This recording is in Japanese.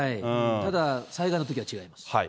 ただ、災害のときは違います。